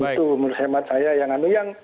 itu menurut saya yang anu